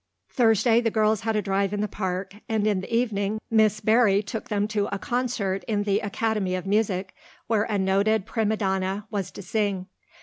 Thursday the girls had a drive in the park, and in the evening Miss Barry took them to a concert in the Academy of Music, where a noted prima donna was to sing.